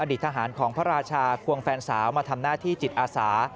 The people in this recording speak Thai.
ทหารของพระราชาควงแฟนสาวมาทำหน้าที่จิตอาสา